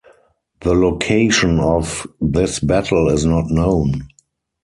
The location of this battle is not known.